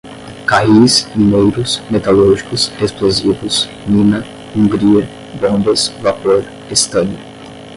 carris, mineiros, metalúrgicos, explosivos, mina, Hungria, bombas, vapor, estanho